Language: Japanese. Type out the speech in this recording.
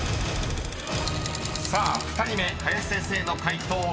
［さあ２人目林先生の解答きく］